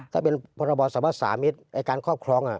ถ้าเป็นประบอบสามารถสามิตไอ้การครอบครอง